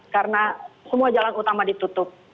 karena semua jalan utama ditutup